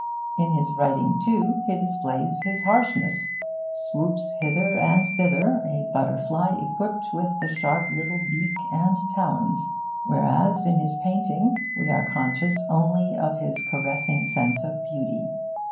In his writing, too, he displays his harshness swoops hither and thither a butterfly equipped with sharp little beak and talons; whereas in his painting we are conscious only of his caressing sense of beauty.